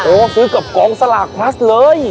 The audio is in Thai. โอ้๕ซื้อกับกองสลากพลักษณ์เลย